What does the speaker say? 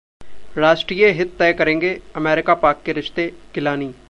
राष्ट्रीय हित तय करेंगे अमेरिका-पाक के रिश्ते: गिलानी